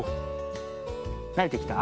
なれてきた？